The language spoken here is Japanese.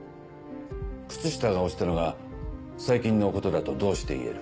靴下が落ちたのが最近のことだとどうしていえる？